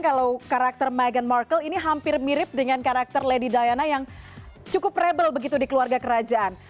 kalau karakter meghan markle ini hampir mirip dengan karakter lady diana yang cukup rebel begitu di keluarga kerajaan